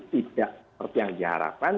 tidak seperti yang diharapkan